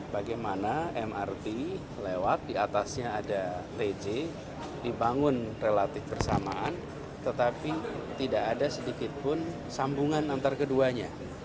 di mana mrt lewat diatasnya ada tj dibangun relatif bersamaan tetapi tidak ada sedikitpun sambungan antar keduanya